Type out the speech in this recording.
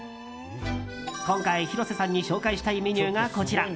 今回、広瀬さんに紹介したいメニューがこちら。